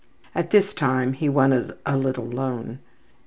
'' At this time he wanted a little loan.